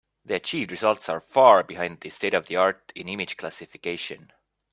The achieved results are far behind the state-of-the-art in image classification.